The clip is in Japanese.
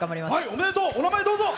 お名前、どうぞ。